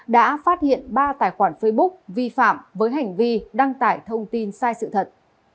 đã phát hiện ba tài khoản facebook vi phạm với hành vi đăng tải thông tin sai sự thật